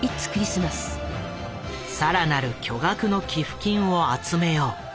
更なる巨額の寄付金を集めよう。